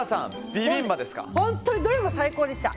本当にどれも最高でした。